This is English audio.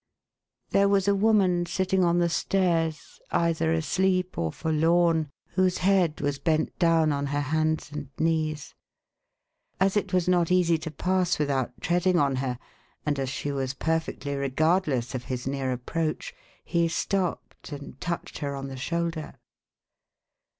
There was a woman sitting on the stairs, either asleep or forlorn, whose head was bent down on her hands and knees. As it was not easy to pass without treading on her, and as she was perfectly regardless of his near approach, he stopped, and touched her on the shoulder.